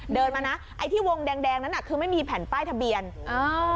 เดินมานะไอที่วงแดงนั้นน่ะคือไม่มีแผ่นป้ายทะเบียนอ้าวไม่มีป้ายทะเบียน